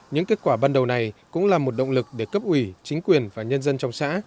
những kết quả ban đầu này cũng là một động lực để cấp ủy chính quyền và nhân dân trong xã